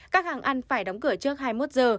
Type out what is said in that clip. các hàng ăn phải đóng cửa trước hai mươi một giờ